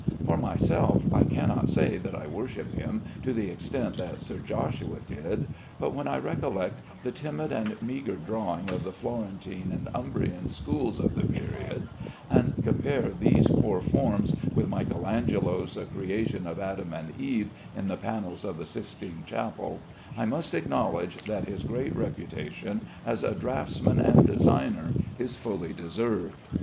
For myself, I cannot say that I worship him to the extent that Sir Joshua did; but when I recollect the timid and meagre drawing of the Florentine and Umbrian schools of the period, and compare these poor forms with Michael Angelo's "Creation of Adam and Eve" in the panels of the Sistine Chapel, I must acknowledge that his great reputation as a draughtsman and designer is fully deserved.